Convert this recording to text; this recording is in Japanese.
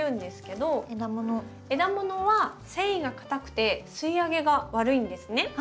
枝ものは繊維がかたくて吸いあげが悪いんですね。